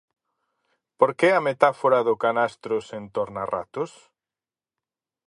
Por que a metáfora do canastro sen tornarratos?